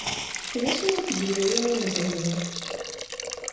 D acu ara k-d-yawi uneẓmi?